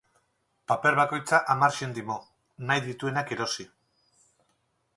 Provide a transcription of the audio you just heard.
Paper bakoitza hamar zentimo, nahi dituenak erosi.